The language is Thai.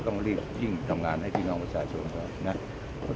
ต้องรีบการทำงานให้พี่น้องประชาชนพี่พูดละเอียดหนึ่ง